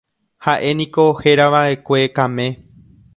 Ha'éniko herava'ekue Kame.